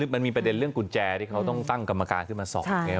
มันมีประเด็นเรื่องกุญแจที่เขาต้องตั้งกรรมการขึ้นมาสอบไง